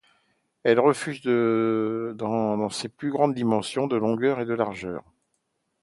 Elle mesure dans ses plus grandes dimensions de longueur et de largeur.